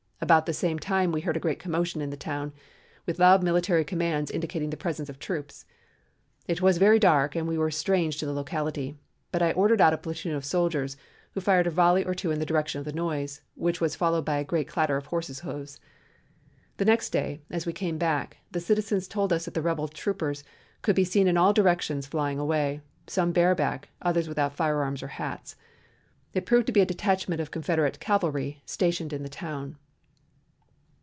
About the same time we heard a great commotion in the town, with loud military commands indicating the presence of troops. It was very dark and we were strange to the locality, but I ordered out a platoon of soldiers, who fired a volley or two in the direction of the noise, which was followed by a great clatter of horses' hoofs. The next day, as we came back, the citizens told us that the rebel troopers could be seen in all directions flying away, some bareback, others without firearms or hats. It proved to be a detachment of Confederate cavalry stationed in the town.